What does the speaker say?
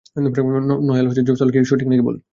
নায়না জয়সওয়াল কি সঠিক নাকি ভুল?